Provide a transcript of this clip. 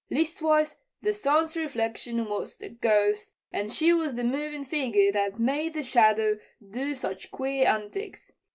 Leastwise, the sun's reflection was the ghost and she was the movin' figure that made the shadow do such queer antics.